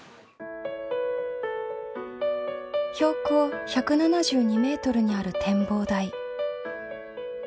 標高１７２メートルにある展望台。